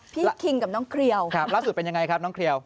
คิงกับน้องเครียวครับล่าสุดเป็นยังไงครับน้องเครียว